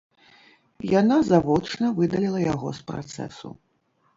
Яна завочна выдаліла яго з працэсу.